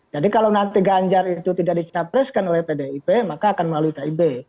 jadi kalau nanti ganjar itu tidak dicapreskan oleh pdip maka akan melalui kib